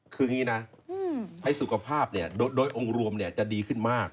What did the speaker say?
คืออย่างนี้นะใช้สุขภาพเนี่ยโดยองค์รวมจะดีขึ้นมาก